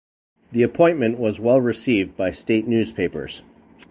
The appointment was well received by state newspapers.